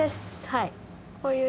はい。